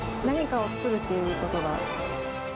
何かを作るっていうことが。